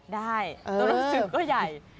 ได้ตัวรสชื่อก็ใหญ่